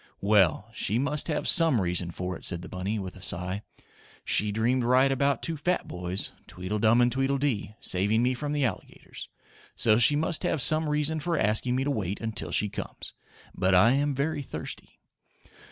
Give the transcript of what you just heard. "Well, she must have some reason for it," said the bunny, with a sigh. "She dreamed right about two fat boys Tweedledum and Tweedledee saving me from the alligators, so she must have some reason for asking me to wait until she comes. But I am very thirsty."